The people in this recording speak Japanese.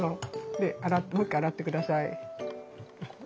でもう一回洗ってください。